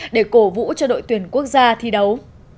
để cổ vũ cho đội tuyển quốc gia thi đấu